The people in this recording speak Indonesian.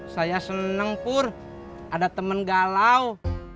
saya seneng pur ada temen galau